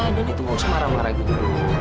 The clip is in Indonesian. nenek tuh gak usah marah marah gitu